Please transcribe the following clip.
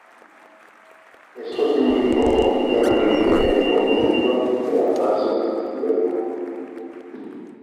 Esto significó oficialmente el comienzo de la fase beta.